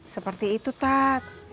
seperti itu tak